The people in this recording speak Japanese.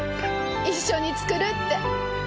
一緒に作るって。